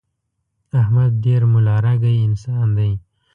احمد ډېر ملا رګی انسان دی.